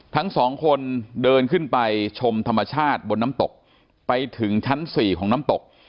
ทั้งสองคนเดินขึ้นไปชมธรรมชาติบนน้ำตกไปถึงชั้น๔ของน้ำตก